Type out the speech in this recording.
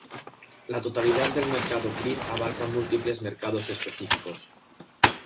La totalidad del mercado grid abarca múltiples mercados específicos.